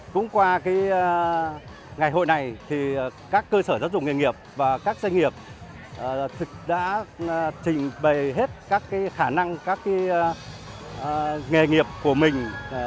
cũng qua ngày hội này các cơ sở giáo dục nghề nghiệp và các doanh nghiệp đã trình bày hết các khả năng các nghề nghiệp của mình